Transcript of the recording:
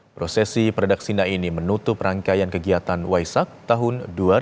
prosesi peredaksina ini menutup rangkaian kegiatan waisak tahun dua ribu dua puluh